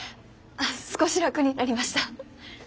少し楽になりました。